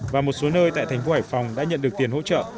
và một số nơi tại thành phố hải phòng đã nhận được tiền hỗ trợ